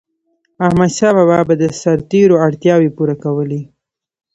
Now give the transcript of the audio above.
احمدشاه بابا به د سرتيرو اړتیاوي پوره کولي.